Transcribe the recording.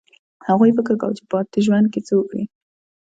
هغوی فکر کاوه چې په پاتې ژوند کې څه وکړي